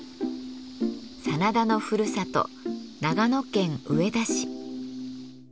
真田のふるさと長野県上田市。